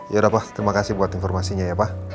yaudah pak terima kasih buat informasinya ya pak